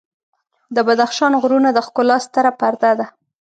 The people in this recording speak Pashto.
د بدخشان غرونه د ښکلا ستره پرده ده.